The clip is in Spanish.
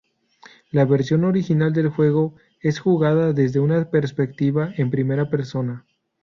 La versión original del juego es jugada desde una perspectiva en primera persona.